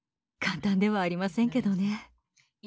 簡単ではありませんけどね。